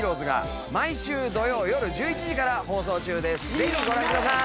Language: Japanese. ぜひご覧ください！